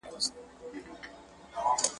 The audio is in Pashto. o تازي د ښکار پر وخت غول ونيسي.